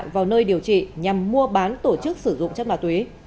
vào nơi điều trị nhằm mua bán tổ chức sử dụng chất ma túy